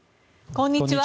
こんにちは。